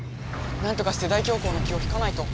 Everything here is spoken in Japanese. なんとかして大凶光の気を引かないと！